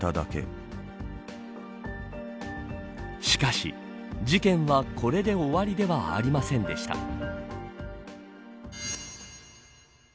しかし、事件はこれで終わりではありませんでした。